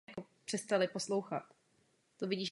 Ucházel se o trůn Černé Hory po zániku království.